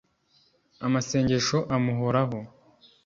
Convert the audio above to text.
Amasengesho amuhoraho